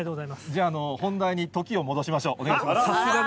じゃあ本題にときを戻しましょう、お願いします。